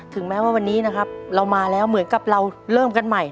ถึงแม้ว่าวันนี้นะครับเรามาแล้วเหมือนกับเราเริ่มกันใหม่